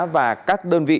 và các đơn vị